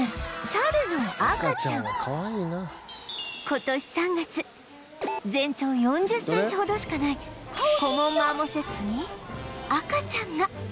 今年３月全長４０センチほどしかないコモンマーモセットに赤ちゃんが！